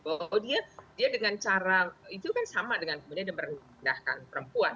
bahwa dia dengan cara itu kan sama dengan kemudian dia merendahkan perempuan